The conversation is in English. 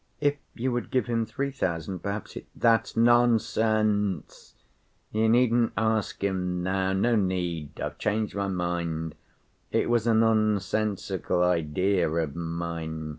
"If you would give him three thousand, perhaps he—" "That's nonsense! You needn't ask him now, no need! I've changed my mind. It was a nonsensical idea of mine.